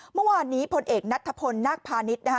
เมื่อวานนี้พลเอกนัทธพลนาคพาณิชย์นะคะ